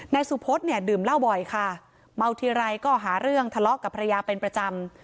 นายสุพธเนี่ยดื่มเหล้าบ่อยค่ะเมาทีไรก็หาเรื่องทะเลาะกับภรรยาเป็นประจำ